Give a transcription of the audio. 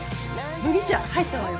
麦茶入ったわよ